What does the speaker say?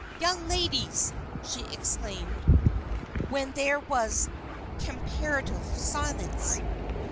"Young ladies!" she exclaimed, when there was comparative silence.